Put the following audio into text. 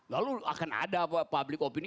lalu akan ada public opini